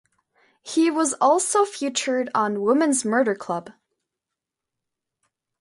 He was also featured on "Women's Murder Club".